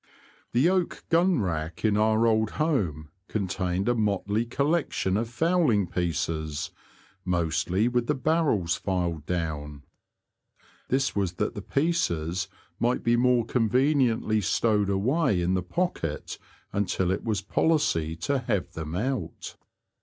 The oak gun rack in our old home con tained a motley collection of fowling pieces, mostly with the barrels filed down. This was that the pieces might be more conveniently stowed away in the pocket until it was policy to have them out.